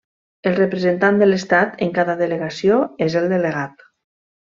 El representant de l'Estat en cada delegació és el delegat.